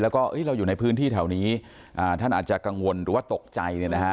แล้วก็เราอยู่ในพื้นที่แถวนี้ท่านอาจจะกังวลหรือว่าตกใจเนี่ยนะฮะ